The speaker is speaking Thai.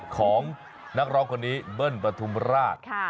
ของนักร้องคนนี้เบิ้ลปฐุมราช